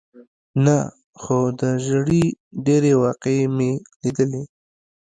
نه، خو د ژېړي ډېرې واقعې مې لیدلې.